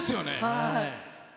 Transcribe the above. はい。